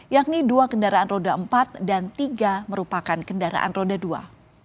yakni dua kendaraan roda empat dan tiga merupakan kendaraan roda dua